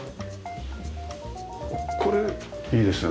これいいですね。